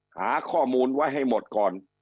หาข้อมูลไว้ให้หมดก่อน